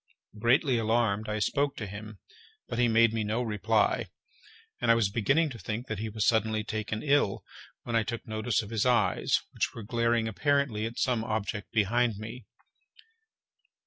Greatly alarmed, I spoke to him, but he made me no reply, and I was beginning to think that he was suddenly taken ill, when I took notice of his eyes, which were glaring apparently at some object behind me.